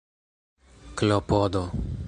klopodo